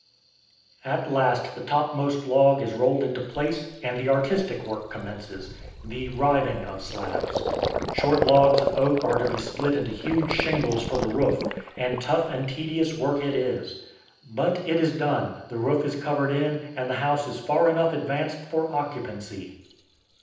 At last the topmost log is rolled into place and the artistic work commences, the "riving" of slabs. Short logs of oak are to be split into huge shingles for the roof, and tough and tedious work it is. But it is done; the roof is covered in, and the house is far enough advanced for occupancy.